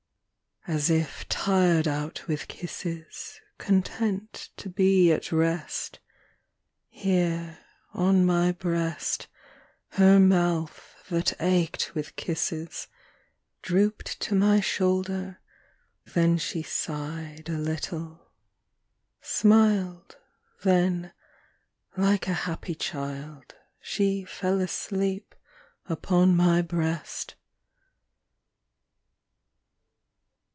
As if tired out with kisses, Content to be at rest, Here, on my breast, Her mouth, that ached with kisses, Drooped to my shoulder, then she sighed A little, smiled Then, like a happy child, She fell asleep upon my breast.